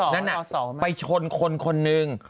นั่นไปชนคนคนหนึ่ง